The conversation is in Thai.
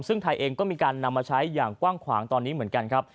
ซึ่งไทยเองก็มีการนำมาใช้อย่างกว้างขวางตอนนี้เหมือนกันครับ